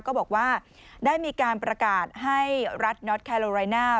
ก็บอกว่าได้มีการประกาศให้รัฐน็อตแคโลไรน่า